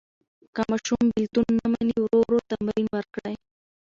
که ماشوم بېلتون نه مني، ورو ورو تمرین ورکړئ.